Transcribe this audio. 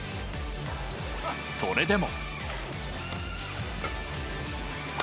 それでも。